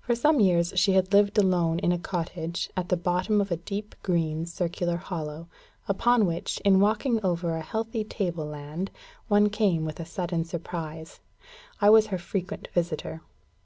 For some years she had lived alone in a cottage, at the bottom of a deep green circular hollow, upon which, in walking over a healthy table land, one came with a sudden surprise. I was her frequent visitor.